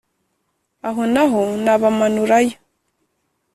aho na ho nabamanurayo.